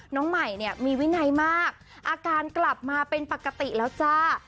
น้องใหม่เนี่ยมีวินัยมากอาการกลับมาเป็นปกติแล้วจ้า